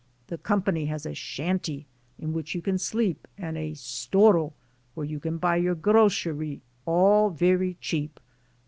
The company has a 'shantee' in which you can sleep, and a 'storo' where you can buy your 'grosserie' all very cheap.